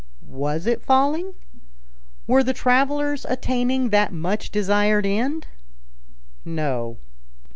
Was it falling? Were the travelers attaining that much desired end? No.